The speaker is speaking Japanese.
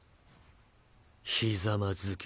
ひざまずけ。